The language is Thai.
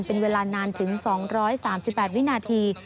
เป็นเวลานานถึง๒๓๘วินาที